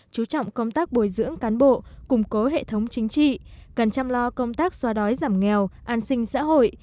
chú trọng công tác bồi dưỡng cán bộ củng cố hệ thống chính trị cần chăm lo công tác xóa đói giảm nghèo an sinh xã hội